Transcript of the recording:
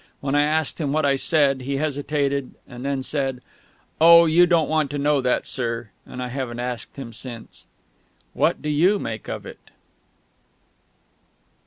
When I asked him what I said, he hesitated, and then said: "Oh, you don't want to know that, sir," and I haven't asked him since. What do you make of it?